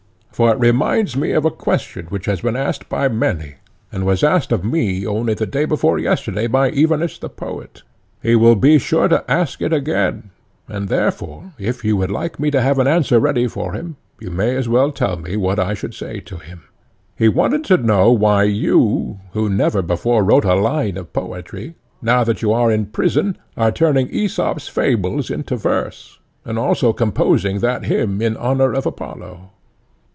For it reminds me of a question which has been asked by many, and was asked of me only the day before yesterday by Evenus the poet—he will be sure to ask it again, and therefore if you would like me to have an answer ready for him, you may as well tell me what I should say to him:—he wanted to know why you, who never before wrote a line of poetry, now that you are in prison are turning Aesop's fables into verse, and also composing that hymn in honour of Apollo.